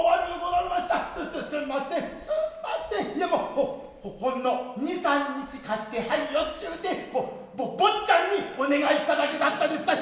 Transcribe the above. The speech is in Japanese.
いやもうほほんの二三日貸してはいよちゅうて坊ちゃんにお願いしただけだったですたい。